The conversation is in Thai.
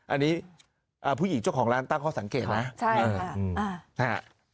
อันนี้ผู้หญิงเจ้าของร้านตั้งข้อสังเกตนะใช่